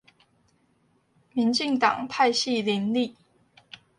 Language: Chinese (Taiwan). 民進黨派系林立